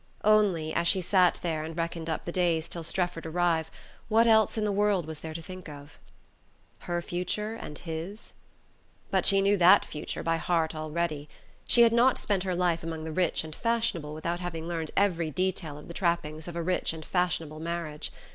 Only, as she sat there and reckoned up the days till Strefford arrived, what else in the world was there to think of? Her future and his? But she knew that future by heart already! She had not spent her life among the rich and fashionable without having learned every detail of the trappings of a rich and fashionable marriage.